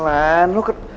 ya ampun len